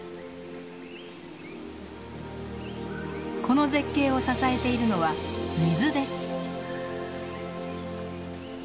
この絶景を支えているのは水です。